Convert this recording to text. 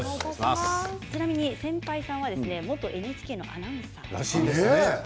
ちなみに扇ぱいさんは元ＮＨＫのアナウンサー。らしいですね。